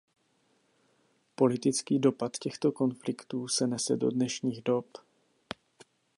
Politický dopad těchto konfliktů se nese do dnešních dob.